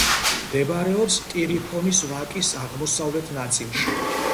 მდებარეობს ტირიფონის ვაკის აღმოსავლეთ ნაწილში.